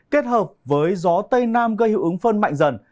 kết hợp với gió tây nam gây hiệu ứng phân mạnh dần